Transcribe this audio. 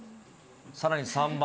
さらに３番。